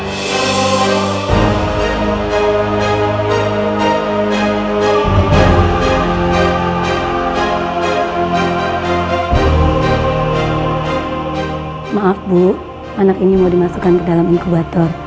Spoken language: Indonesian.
maaf bu anak ini mau dimasukkan ke dalam inkubator